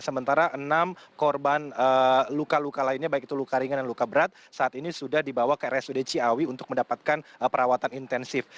sementara enam korban luka luka lainnya baik itu luka ringan dan luka berat saat ini sudah dibawa ke rsud ciawi untuk mendapatkan perawatan intensif